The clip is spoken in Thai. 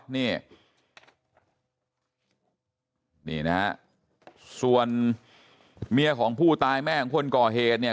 นี่นี่นะฮะส่วนเมียของผู้ตายแม่ของคนก่อเหตุเนี่ย